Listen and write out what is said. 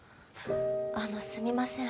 あのすみません。